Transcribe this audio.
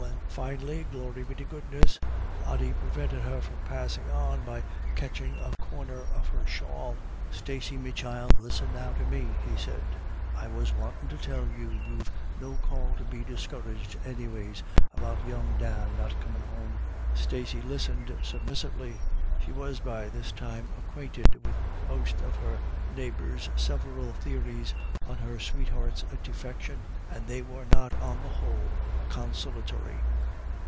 and, "Finely, glory be to goodness," Ody prevented her from passing on by catching a corner of her shawl. BETWEEN TWO LADY DA YS. 225 " Stacey, me child, listen now to me," he said ;" I was wantin' to tell you you've no call to be discouraged anyways about young Dan not comin' home." Stacey listened submissively. She was by this time acquainted with most of her neighbours' several theories as to her sweetheart's defection, and they were not on the whole consolatory.